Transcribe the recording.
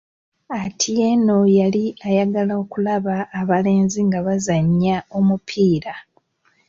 Atieno yali ayagala okulaba abalenzi nga bazannya omupiira.